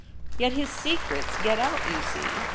' Yet his secrets get out, you see